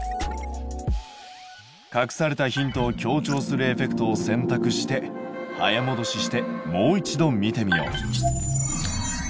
隠されたヒントを強調するエフェクトを選択して早もどししてもう一度見てみよう。